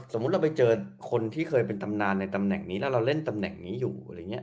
สมมุติเราไปเจอคนที่เคยเป็นตำนานในตำแหน่งนี้แล้วเราเล่นตำแหน่งนี้อยู่อะไรอย่างนี้